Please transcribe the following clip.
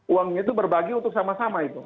uangnya itu berbagi untuk sama sama itu